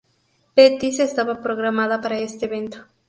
Pettis, estaba programada para este evento.